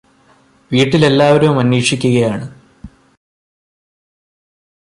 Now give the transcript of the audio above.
വീട്ടിലെല്ലാവരും അന്വേഷിക്കുകയാണ്